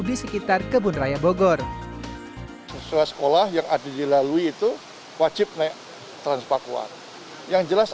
di sekitar kebenaraya bogor semasalah yang ada di lalui itu wajib naik transpakuan yang jelas